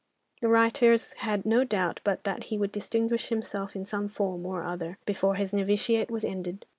The writers had no doubt but that he would distinguish himself in some form or other before his novitiate was ended.